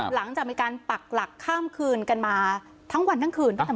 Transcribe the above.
หลังจากมีการปักหลักข้ามคืนกันมาทั้งวันทั้งคืน